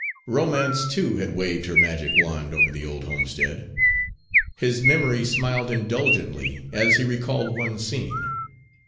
Romance, too, had waved her magic wand over the old homestead. His memory smiled indulgently as he recalled one scene.